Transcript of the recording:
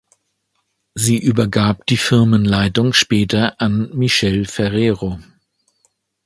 Sie übergab die Firmenleitung später an Michele Ferrero.